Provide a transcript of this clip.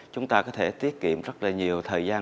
chúng ta có thể tiết kiệm rất là nhiều thời gian